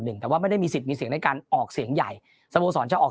หนึ่งแต่ว่าไม่ได้มีสิทธิ์มีเสียงในการออกเสียงใหญ่สโมสรจะออก